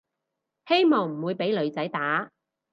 希望唔會畀女仔打